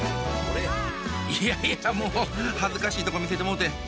いやいやもう恥ずかしいとこ見せてもうて。